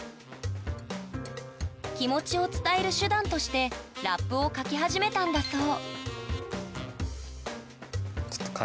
気持ちを伝える手段としてラップを書き始めたんだそう